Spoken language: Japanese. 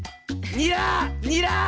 「ニラ」！